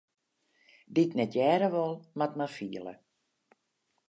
Dy't net hearre wol, moat mar fiele.